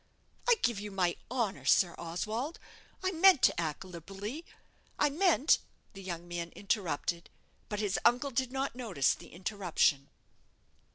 "I give you my honour, Sir Oswald, I meant to act liberally. I meant," the young man interrupted; but his uncle did not notice the interruption.